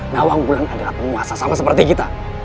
nawang mulan adalah penguasa sama seperti kita